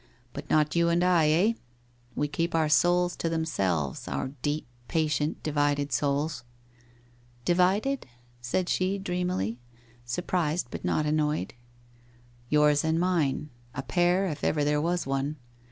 ' But not you and I, eh ? We keep our souls to them selves, our deep, patient, divided souls. ...'' Divided ?' said she dreamily, surprised but not an noyed. ' Yours and mine — a pair, if ever there was one.